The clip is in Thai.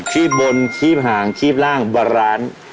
ีบบนคีบหางคีบร่างโบราณ